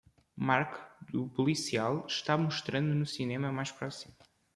Mark do Policial está mostrando no cinema mais próximo